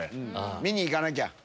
見にいかなきゃ。